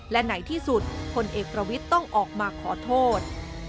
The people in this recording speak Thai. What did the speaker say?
และไหนที่สุดพลเอกประวิทย์ต้องออกมาขอโทษ